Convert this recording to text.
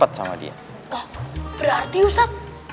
atau bisa keavewan